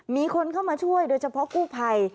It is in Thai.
มีคนเข้ามาช่วยโดยเฉพาะกู้ภัย